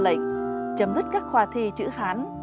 xác lệnh chấm dứt các khoa thi chữ hán